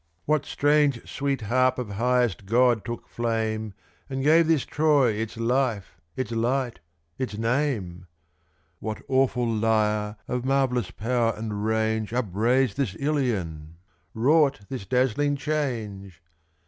What strange, sweet harp of highest god took flame And gave this Troy its life, its light, its name? What awful lyre of marvellous power and range Upraised this Ilion wrought this dazzling change?